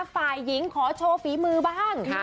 ฝ่ายหญิงขอโชว์ฝีมือบ้าง